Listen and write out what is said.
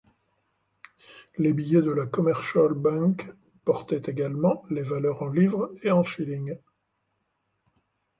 Les billets de la Commercial Bank portaient également les valeurs en livres et shillings.